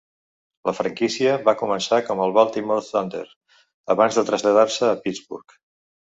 La franquícia va començar com el Baltimore Thunder abans de traslladar-se a Pittsburgh.